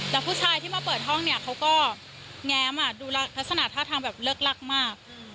แต่ผู้ชายที่มาเปิดห้องเนี่ยเขาก็แง้มดูลักษณะท่าทางแบบเลิกลักมาก